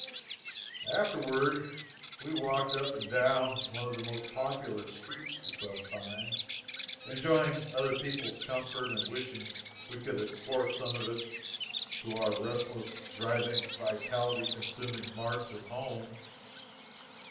Afterward we walked up and down one of the most popular streets for some time, enjoying other people's comfort and wishing we could export some of it to our restless, driving, vitality consuming marts at home.